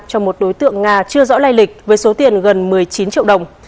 cho một đối tượng nga chưa rõ lây lịch với số tiền gần một mươi chín triệu đồng